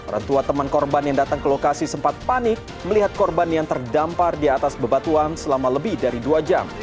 rentua teman korban yang datang ke lokasi sempat panik melihat korban yang terdampar di atas bebatuan selama lebih dari dua jam